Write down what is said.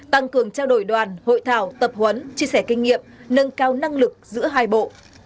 tăng cường trao đổi đoàn hội thảo tập huấn chia sẻ kinh nghiệm nâng cao năng lực giữa hai bộ